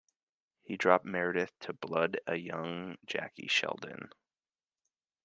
He dropped Meredith to blood a young Jackie Sheldon.